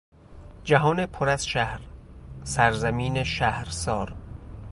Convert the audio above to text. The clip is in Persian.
جهان پر از شهر، سرزمین شهرسار